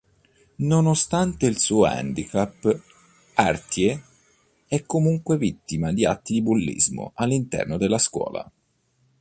Nonostante il suo handicap, Artie è comunque vittima di atti bullismo all'interno della scuola.